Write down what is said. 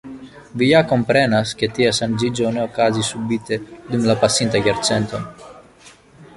Vi ja komprenas, ke tia ŝanĝiĝo ne okazis subite dum la pasinta jarcento.